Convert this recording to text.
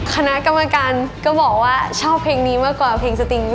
คณะกรรมการก็บอกว่าชอบเพลงนี้มากกว่าเพลงสติง